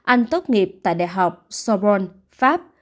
anh tốt nghiệp tại đại học sorbonne pháp